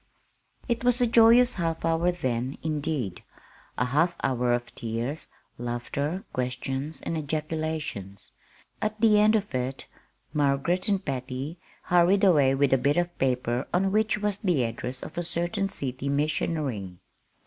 It was a joyous half hour then, indeed a half hour of tears, laughter, questions, and ejaculations. At the end of it Margaret and Patty hurried away with a bit of paper on which was the address of a certain city missionary.